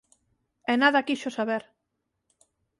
E nada quixo saber.